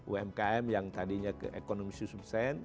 umkm yang tadinya ekonomis yang sukses